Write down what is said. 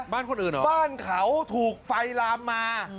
บ้านคนอื่นเหรอบ้านเขาถูกไฟลามมา